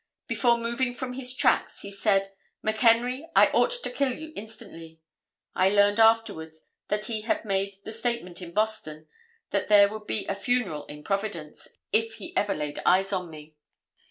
Before moving from his tracks, he said, 'McHenry, I ought to kill you instantly.' I learned afterward that he had made the statement in Boston that there would be a funeral in Providence if he ever laid his eyes on me.